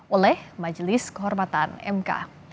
oleh majelis kehormatan mk